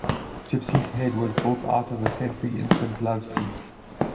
Gypsy's head was built out of a "Century Infant Love Seat".